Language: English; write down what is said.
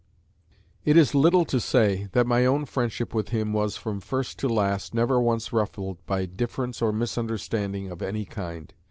It is little to say, that my own friendship with him was, from first to last, never once ruffled by difference or misunderstanding of any kind.